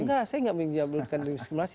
enggak saya enggak menyebutkan diskriminasi